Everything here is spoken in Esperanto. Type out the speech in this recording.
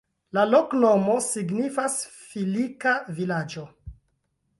La loknomo signifas: filika-vilaĝo.